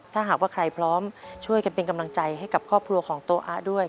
ถ้าหากว่าใครพร้อมช่วยกันเป็นกำลังใจให้กับครอบครัวของโต๊อะด้วย